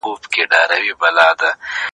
وخت غواړي.